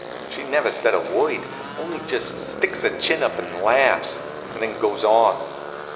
She never said a word, only just sticks her chin up and laughs, and then goes on.